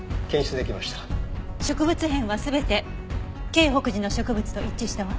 植物片は全て京北寺の植物と一致したわ。